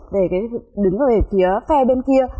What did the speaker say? để đứng ở phía phe bên kia